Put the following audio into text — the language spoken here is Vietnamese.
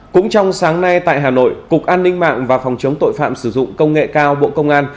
cũng trong sáng nay tại hà nội cục an ninh mạng và phòng chống tội phạm sử dụng công nghệ cao bộ công an